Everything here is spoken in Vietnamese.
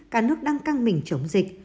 cả nước đang căng mình chống dịch